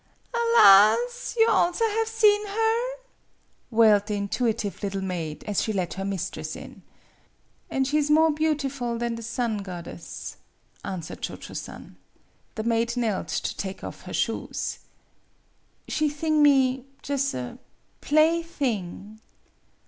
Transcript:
"ALAS, you also have seen her!" wailed the intuitive little maid, as she let her mistress in. " An' she is more beautiful than the Sun Goddess," answered Cho Cho San. The maid knelt to take off her shoes. "She she thing me jus' a plaything."